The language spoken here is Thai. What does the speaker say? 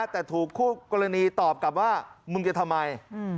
แต่ถูกคู่กรณีตอบกลับว่ามึงจะทำไม